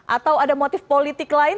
atau ada motif politik lain